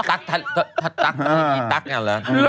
ตั๊กตั๊กตั๊กอย่างนั้นเหรอ